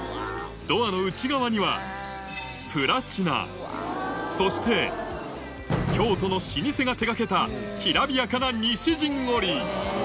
ドアの内側にはプラチナ、そして京都の老舗が手がけたきらびやかな西陣織。